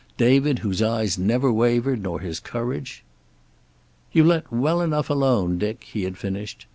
David, whose eyes never wavered, nor his courage! "You let well enough alone, Dick," he had finished.